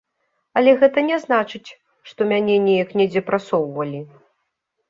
Але гэта не значыць, што мяне неяк недзе прасоўвалі.